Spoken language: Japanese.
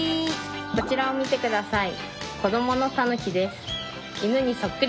こちらを見てください。